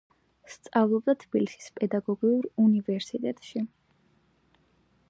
სწავლობდა თბილისის პედაგოგიურ უნივერსიტეტში.